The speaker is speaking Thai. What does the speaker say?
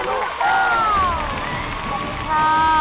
ขอบคุณค่ะ